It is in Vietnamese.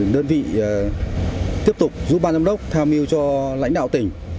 đơn vị tiếp tục giúp ban giám đốc tham mưu cho lãnh đạo tỉnh